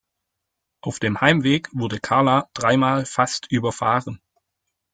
Auf dem Heimweg wurde Karla dreimal fast überfahren.